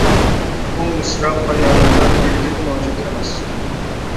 بۇ مىسرا پايانىدا بىرلىك مەۋجۇت ئەمەس.